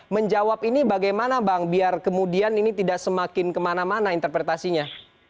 menjawab ini bagaimana bang biar kemudian ini tidak semakin kemana mana interpretasinya